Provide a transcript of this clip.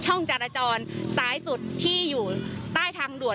จารจรซ้ายสุดที่อยู่ใต้ทางด่วน